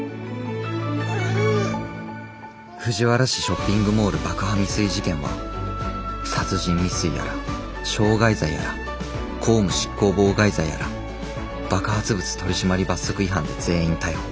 藤原市ショッピングモール爆破未遂事件は殺人未遂やら傷害罪やら公務執行妨害罪やら爆発物取締罰則違反で全員逮捕。